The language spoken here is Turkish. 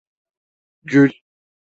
Gül.